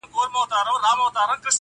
سړې شپې يې تېرولې په خپل غار كي!.